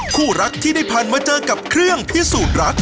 คู่รักที่ได้ผ่านมาเจอกับเครื่องพิสูจน์รัก